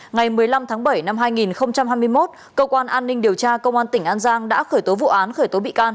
ngày một mươi năm tháng bảy năm hai nghìn hai mươi một cơ quan an ninh điều tra công an tỉnh an giang đã khởi tố vụ án khởi tố bị can